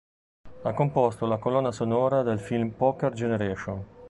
Ha composto la colonna sonora del film "Poker Generation".